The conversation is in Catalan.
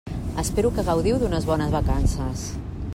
Espero que gaudiu d'unes bones vacances.